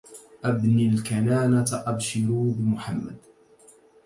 أبني الكنانة أبشروا بمحمد